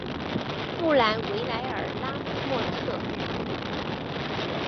布兰维莱尔拉莫特。